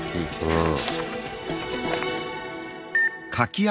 うん。